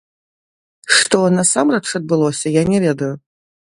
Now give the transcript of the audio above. Што насамрэч адбылося, я не ведаю.